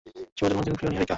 শুভ জন্মদিন, প্রিয় নীহারিকা।